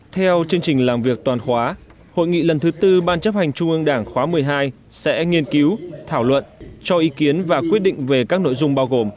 theo chương trình làm việc toàn khóa hội nghị lần thứ tư ban chấp hành trung ương đảng khóa một mươi hai sẽ nghiên cứu thảo luận cho ý kiến và quyết định về các nội dung bao gồm